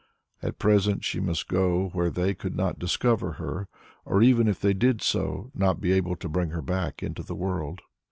At present she must go where they could not discover her, or even if they did so, not be able to bring her back into the world.